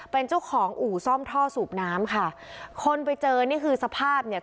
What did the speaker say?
เป็นเจ้าของอู่ซ่อมท่อสูบน้ำค่ะคนไปเจอนี่คือสภาพเนี่ย